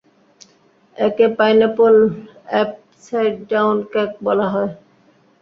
একে pineapple upside down cake বলা হয়।